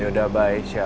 yaudah bye syah